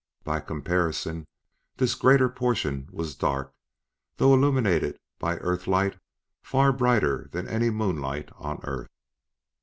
By comparison, this greater portion was dark, though illuminated by earthlight far brighter than any moonlight on Earth.